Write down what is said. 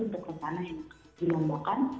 untuk peran yang dilompokkan